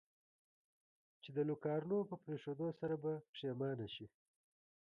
چې د لوکارنو په پرېښودو سره به پښېمانه شې.